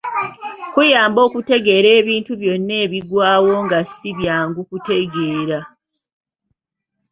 Kuyamba okutegeera ebintu byonna ebigwawo nga ssi byangu kutegeera.